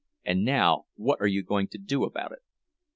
"And now what are you going to do about it?"